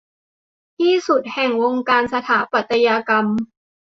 ที่สุดแห่งวงการสถาปัตยกรรม